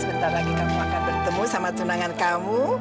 sebentar lagi kamu akan bertemu sama tunangan kamu